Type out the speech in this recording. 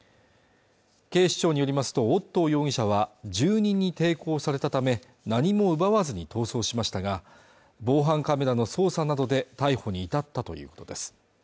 警視庁によりますとオットー容疑者は１０人に抵抗されたため何も奪わずに逃走しましたが防犯カメラの捜査などで逮捕に至ったということです